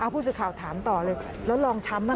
พูดสิทธิ์ข่าวถามต่อเลยแล้วรองช้ำนะคะ